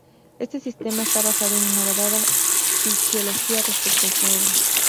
Este sistema está basado en una dada fisiológica respecto al cerebro.